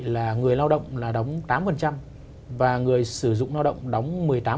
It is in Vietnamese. là người lao động là đóng tám và người sử dụng lao động đóng một mươi tám